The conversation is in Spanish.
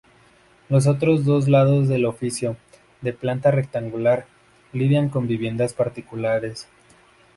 Los otros dos lados del edificio, de planta rectangular, lindan con viviendas particulares.